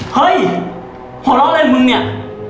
เฮ้ยหอเล่าเล่นมึงเนี่ย